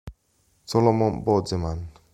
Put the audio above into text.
Solomon Bozeman